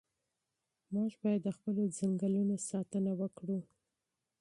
موږ باید د خپلو ځنګلونو ساتنه وکړو.